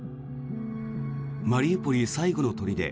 マリウポリ最後の砦